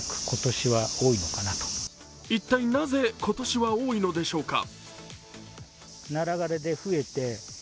一体なぜ今年は多いのでしょうか？